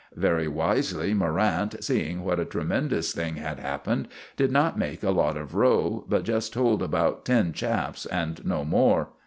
Very wisely Morrant, seeing what a tremendous thing had happened, did not make a lot of row, but just told about ten chaps and no more.